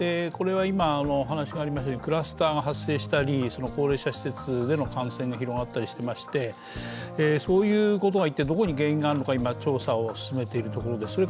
これは今、クラスターが発生したり高齢者施設での感染が広がったりしていましてそういうことが一体どこに原因があるのか今、調査を進めているところです。